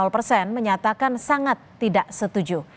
empat belas persen menyatakan sangat tidak setuju